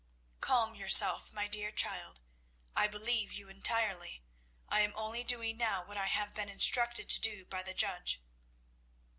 "Calm yourself, my dear child; I believe you entirely. I am only doing now what I have been instructed to do by the judge."